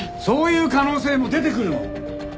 そういう可能性も出てくるの！